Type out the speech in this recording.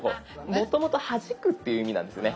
もともと「はじく」っていう意味なんですよね